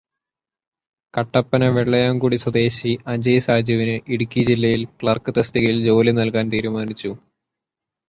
കട്ടപ്പന വെള്ളയാംകുടി സ്വദേശി അജയ് സാജുവിന് ഇടുക്കി ജില്ലയില് ക്ലര്ക്ക് തസ്തികയില് ജോലി നല്കാന് തീരുമാനിച്ചു.